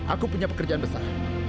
aku punya pekerjaan besar